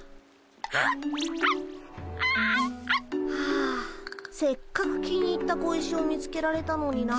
あせっかく気に入った小石を見つけられたのにな。